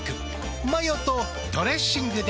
マヨとドレッシングで。